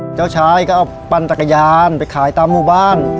เจ้าชายก็เอาปั่นจักรยานไปขายตามหมู่บ้าน